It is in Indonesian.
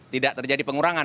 tidak terjadi pengurangan